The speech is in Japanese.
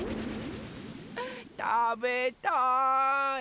たべたい！